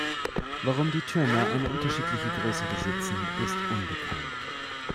Warum die Türme eine unterschiedliche Größe besitzen, ist unbekannt.